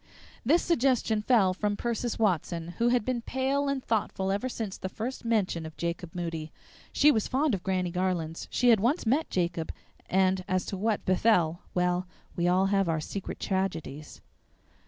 This suggestion fell from Persis Watson, who had been pale and thoughtful ever since the first mention of Jacob Moody. (She was fond of Granny Garlands; she had once met Jacob; and, as to what befell, well, we all have our secret tragedies!)